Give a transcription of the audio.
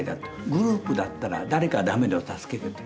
グループだったら誰かダメでも助けてくれる。